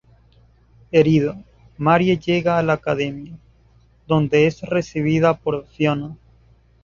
Herida, Marie llega a la Academia, donde es recibida por Fiona.